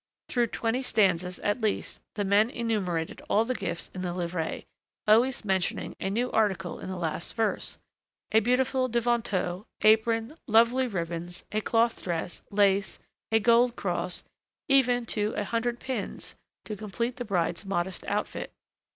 Through twenty stanzas, at least, the men enumerated all the gifts in the livrée, always mentioning a new article in the last verse: a beautiful devanteau, apron, lovely ribbons, a cloth dress, lace, a gold cross, even to a hundred pins to complete the bride's modest outfit.